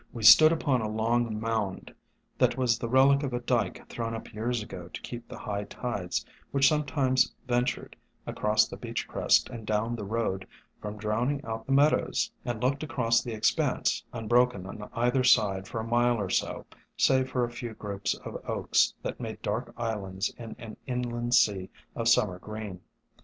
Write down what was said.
We stood upon a long mound, that was the relic of a dyke thrown up years ago to keep the high tides, which sometimes ventured across the beach crest and down the road, from drowning out the meadows, and looked across the expanse unbroken on either side for a mile or so, save for a few groups of Oaks that made dark islands in an inland sea of summer green.